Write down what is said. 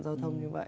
giao thông như vậy